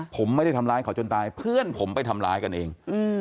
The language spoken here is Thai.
ผมไม่ได้ทำร้ายเขาจนตายเพื่อนผมไปทำร้ายกันเอง